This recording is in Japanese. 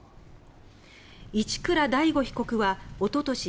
一倉大悟被告はおととし